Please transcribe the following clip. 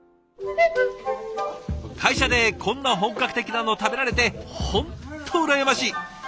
会社でこんな本格的なの食べられて本当羨ましい。